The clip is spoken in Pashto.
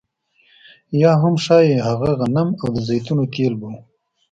یا هم ښايي هغه غنم او د زیتونو تېل به وو